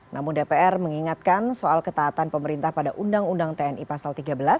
namun dpr mengingatkan soal ketaatan pemerintah pada undang undang tni pasal tiga belas